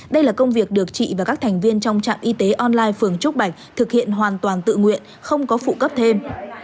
đây là công việc được chị và các thành viên trong trạm y tế online phường trúc bạch thực hiện hoàn toàn tự nguyện không có phụ cấp thêm